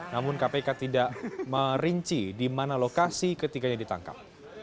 namun kpk tidak merinci di mana lokasi ketiganya ditangkap